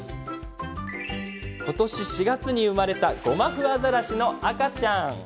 今年４月に生まれたゴマフアザラシの赤ちゃん。